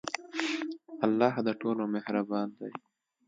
الله د ټولو مهربان دی.